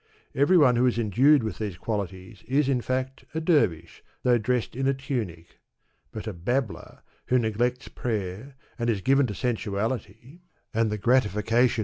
Every one who is endued with these qualities is, in fact, a dervish, though dressed in a tunic. But a babbler, who neglects prayer, and is given to sensuality, and the gratification Digitized by Google m M U B Sa'di.